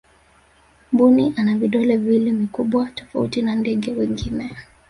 mbuni ana vidole viwili vikubwa tofauti na ndege wengine